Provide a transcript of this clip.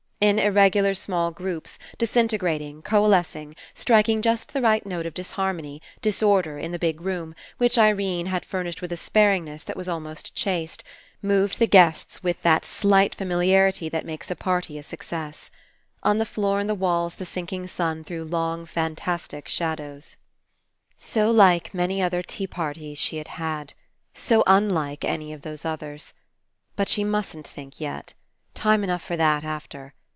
In ir regular small groups, disintegrating, coalesc i66 FINALE ing, striking just the right note of disharmony, disorder in the big room, which Irene had fur nished with a sparingness that was almost chaste, moved the guests with that slight fa miliarity that makes a party a success. On the floor and the walls the sinking sun threw long, fantastic shadows. So like many other tea parties she had had. So unlike any of those others. But she mustn't think yet. Time enough for that after.